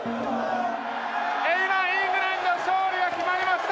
今、イングランドの勝利が決まりました。